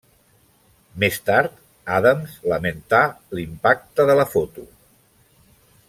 Més tard, Adams lamentà l'impacte de la foto.